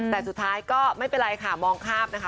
แต่สุดท้ายก็ไม่เป็นไรค่ะมองข้ามนะคะ